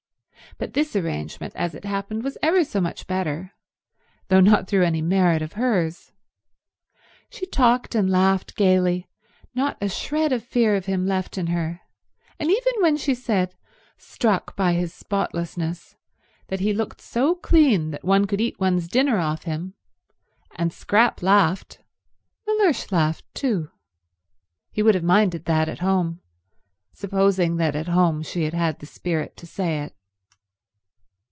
But this arrangement, as it happened, was ever so much better, though not through any merit of hers. She talked and laughed gaily, not a shred of fear of him left in her, and even when she said, struck by his spotlessness, that he looked so clean that one could eat one's dinner off him, and Scrap laughed, Mellersh laughed too. He would have minded that at home, supposing that at home she had had the spirit to say it.